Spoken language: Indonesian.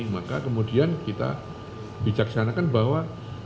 maka kemudian kita bijaksanakan bahwa